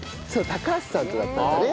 高橋さんとだったんだね。